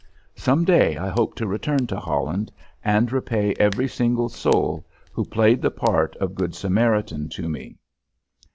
Some day I hope to return to Holland and repay every single soul who played the part of Good Samaritan to me.